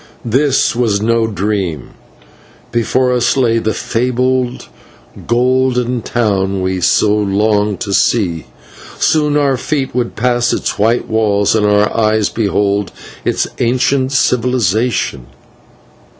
This was no dream: before us lay the fabled golden town we had so longed to see; soon our feet would pass its white walls and our eyes behold its ancient civilisation.